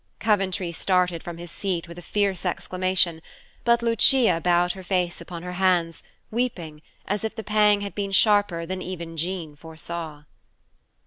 Coventry started from his seat with a fierce exclamation, but Lucia bowed her face upon her hands, weeping, as if the pang had been sharper than even Jean foresaw.